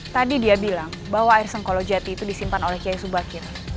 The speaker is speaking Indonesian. tadi dia bilang bahwa air sengkolo jati itu disimpan oleh kiai subakir